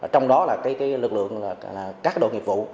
trong đó là các đội nghiệp vụ